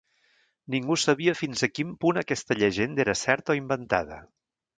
Ningú sabia fins a quin punt aquesta llegenda era certa o inventada.